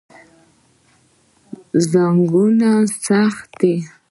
زنګونونه سخت دي.